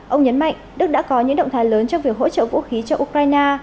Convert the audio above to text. ông nhấn mạnh đức đã có những động thái lớn trong việc hỗ trợ vũ khí cho ukraine